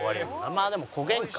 まあでも焦げんか。